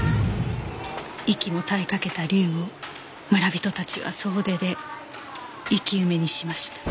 息も絶えかけた竜を村人たちは総出で生き埋めにしました